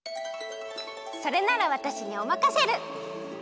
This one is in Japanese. それならわたしにおまかせシェル！